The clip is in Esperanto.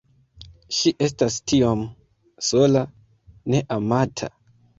Ŝi estas tiom sola... ne amata